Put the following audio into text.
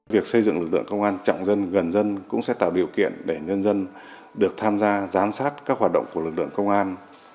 việc xây dựng lực lượng công an trọng dân gần dân cũng sẽ tạo điều kiện để nhân dân được tham gia giám sát các hoạt động của lực lượng công an